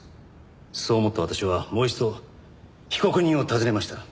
そう思った私はもう一度被告人を訪ねました。